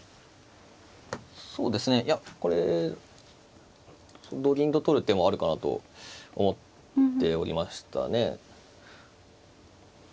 そうですねいやこれ同銀と取る手もあるかなと思っておりましたね。